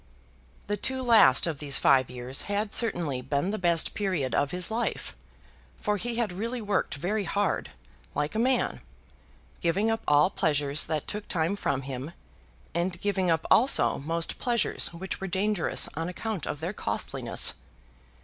The two last of these five years had certainly been the best period of his life, for he had really worked very hard, like a man, giving up all pleasure that took time from him, and giving up also most pleasures which were dangerous on account of their costliness.